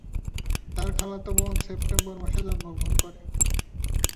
তার খালাতো বোন সেপ্টেম্বর মাসে জন্মগ্রহণ করে।